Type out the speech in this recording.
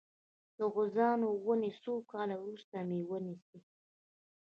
د غوزانو ونې څو کاله وروسته میوه نیسي؟